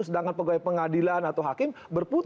sedangkan pegawai pengadilan atau hakim berputar